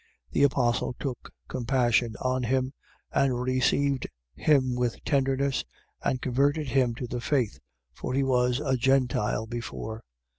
The apostle took compassion on him and received him with tenderness and converted him to the faith; for he was a Gentile before.